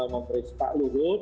memperiksa pak luhut